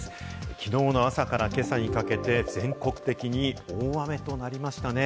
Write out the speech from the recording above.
きのうの朝から今朝にかけて、全国的に大雨となりました。